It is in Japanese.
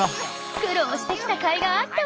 苦労してきたかいがあったわね。